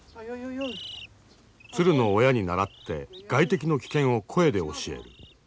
鶴の親に倣って外敵の危険を声で教える。